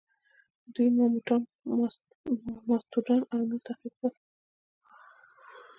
دوی ماموتان، ماستودان او نور تعقیب کړل.